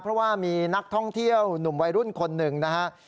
เพราะว่ามีนักท่องเที่ยวหนุ่มวัยรุ่นคนหนึ่งนะฮะ